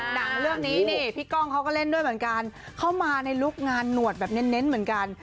หนังเรื่องนี้นี่พี่ก้องเขาก็เล่นด้วยเหมือนกันเข้ามาในลุคงานหนวดแบบเน้นเหมือนกัน